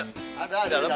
ada ada di dalam